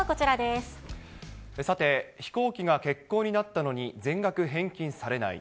さて、飛行機が欠航になったのに全額返金されない。